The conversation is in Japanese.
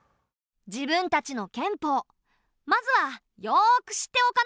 自分たちの憲法まずはよく知っておかないとね！